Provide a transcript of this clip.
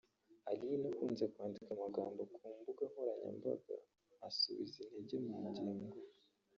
Aline ukunze kwandika amagambo ku mbuga nkoranyambaga asubiza intege mu bugingo